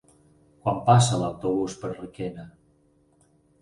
Quan passa l'autobús per Requena?